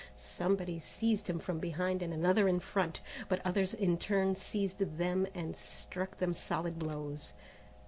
Somebody seized him from behind and another in front, but others in turn seized them or struck them solid blows.